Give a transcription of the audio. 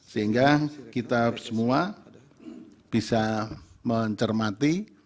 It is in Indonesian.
sehingga kita semua bisa mencermati